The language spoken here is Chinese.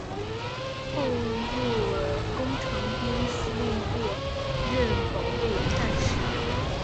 后入工程兵司令部任保卫干事。